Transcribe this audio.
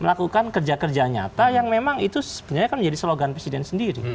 melakukan kerja kerja nyata yang memang itu sebenarnya kan menjadi slogan presiden sendiri